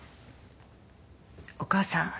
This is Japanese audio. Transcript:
お母さん。